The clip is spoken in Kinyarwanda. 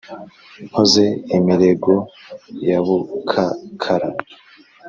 nkoze imirego yabukakara.